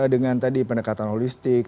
dengan tadi pendekatan holistik